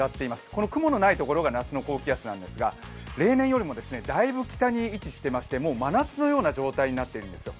この雲のない所が夏の高気圧なんですが、例年よりも大分北に位置していまして真夏のような状態になっているんですよ。